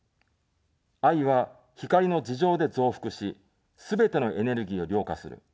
愛は光の２乗で増幅し、すべてのエネルギーをりょうがする。